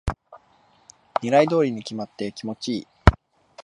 狙い通りに決まって気持ちいい